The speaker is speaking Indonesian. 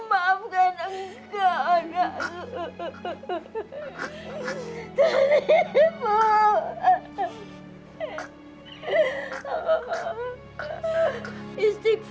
ya allah ya allah